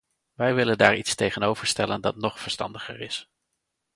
Wij willen daar iets tegenover stellen dat nog verstandiger is.